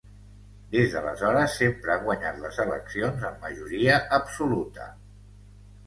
Des d'aleshores sempre ha guanyat les eleccions amb majoria absoluta.